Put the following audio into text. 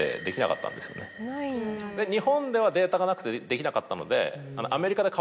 日本ではデータがなくてできなかったので。